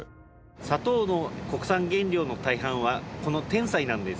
砂糖の国産原料の大半はこのテンサイなんです。